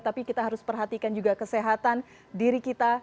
tapi kita harus perhatikan juga kesehatan diri kita